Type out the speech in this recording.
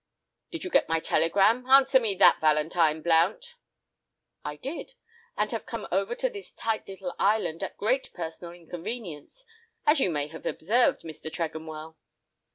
"Did you get my telegram? Answer me that, Valentine Blount." "I did, and have come over to this tight little island at great personal inconvenience, as you may have observed, Mr. Tregonwell!"